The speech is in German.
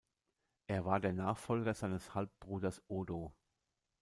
Er war der Nachfolger seines Halbbruders Odo.